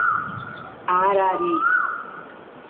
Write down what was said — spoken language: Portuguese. Arari